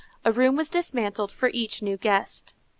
A room was dismantled for each new guest.